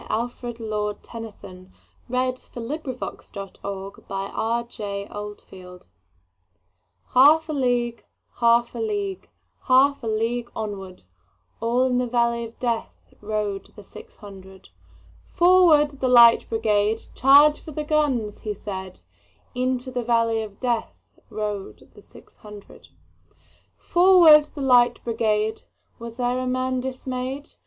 Alfred Tennyson, 1st Baron 1809–92 The Charge of the Light Brigade Tennyson HALF a league, half a league, Half a league onward, All in the valley of DeathRode the six hundred."Forward, the Light Brigade! Charge for the guns!" he said:Into the valley of DeathRode the six hundred."Forward, the Light Brigade!"Was there a man dismay'd?